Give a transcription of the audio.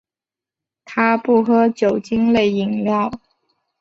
他不喝酒精类饮料。